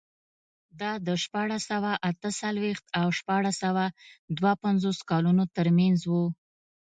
دا د شپاړس سوه اته څلوېښت او شپاړس سوه دوه پنځوس کلونو ترمنځ و.